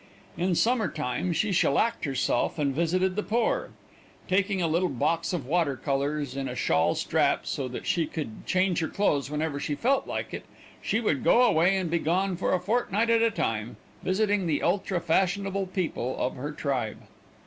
In summer time she shellacked herself and visited the poor. Taking a little box of water colors in a shawl strap, so that she could change her clothes whenever she felt like it, she would go away and be gone for a fortnight at a time, visiting the ultra fashionable people of her tribe.